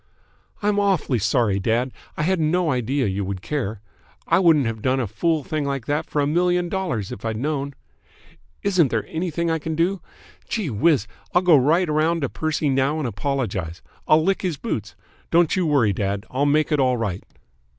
"I'm awfully sorry, dad. I had no idea you would care. I wouldn't have done a fool thing like that for a million dollars if I'd known. Isn't there anything I can do? Gee whiz! I'll go right round to Percy now and apologise. I'll lick his boots. Don't you worry, dad. I'll make it all right."